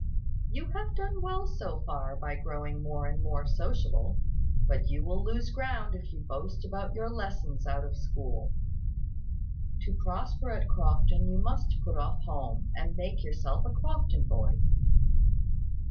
You have done well, so far, by growing more and more sociable; but you will lose ground if you boast about your lessons out of school. To prosper at Crofton, you must put off home, and make yourself a Crofton boy."